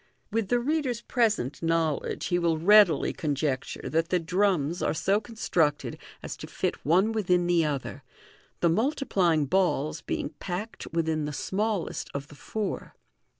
With the reader's present knowledge, he will readily conjecture that the drums are so constructed as to fit one within the other, the multiplying balls being packed within the smallest of the four.